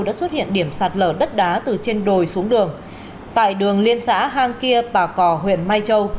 đã xuất hiện điểm sạt lở đất đá từ trên đồi xuống đường tại đường liên xã hang kia bà cò huyện mai châu